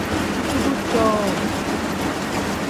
Dukuru cowuu.